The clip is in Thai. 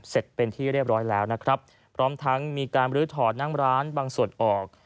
เสร็จเป็นที่เรียบร้อยแล้วนะครับพร้อมทั้งมีการบรื้อถอดนั่งร้านบางส่วนออก